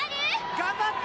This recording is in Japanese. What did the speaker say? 頑張って！